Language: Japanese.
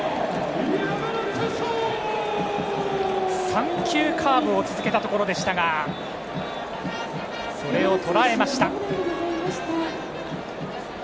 ３球カーブを続けたところでしたがそれをとらえました。